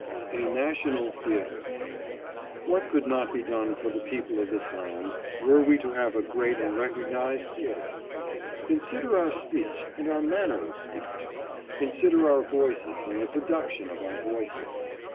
A NATIONAL THEATRE What could not be done for the people of this land, were we to have a great and recognised theatre! Consider our speech, and our manner of speech! Consider our voices, and the production of our voices!